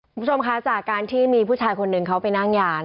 คุณผู้ชมคะจากการที่มีผู้ชายคนหนึ่งเขาไปนั่งยาน